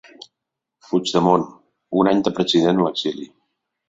Puigdemont, un any del president a l’exili.